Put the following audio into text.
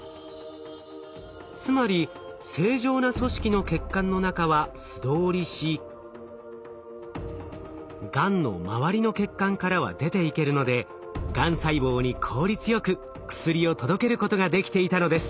つまり正常な組織の血管の中は素通りしがんの周りの血管からは出ていけるのでがん細胞に効率よく薬を届けることができていたのです。